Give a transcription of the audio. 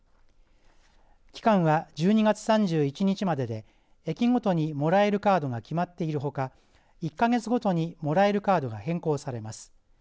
期間は１２月３１日までで駅ごとにもらえるカードが決まっているほか１か月ごとにもらえるカードが変更されます。